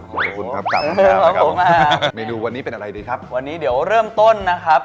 ขอบคุณครับจำนะครับขอบคุณมาก